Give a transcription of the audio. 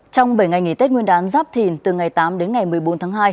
trong bảy ngày nghỉ tết nguyên đán giáp thìn từ ngày tám đến ngày một mươi bốn tháng hai